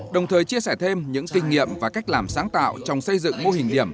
đồng thời chia sẻ thêm những kinh nghiệm và cách làm sáng tạo trong xây dựng mô hình điểm